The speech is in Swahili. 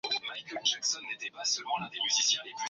Ugonjwa wa kimeta